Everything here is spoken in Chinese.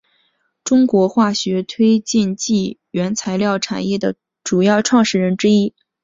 中国化学推进剂原材料产业的主要创始人之一。